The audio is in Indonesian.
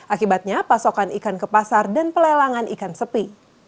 akibatnya pasokan ikan ke pasar dan pelelangan ikan sepi